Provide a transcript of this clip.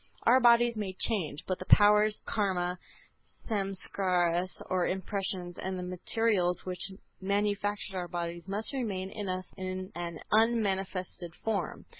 Our bodies may change, but the powers, Karma, Samskaras or impressions and the materials which manufactured our bodies must remain in us in an unmanifested form.